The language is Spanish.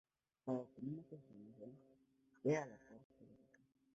Para obtener más información, vea Puerta lógica.